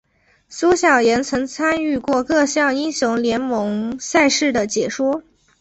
苏小妍曾参与过各项英雄联盟赛事的解说。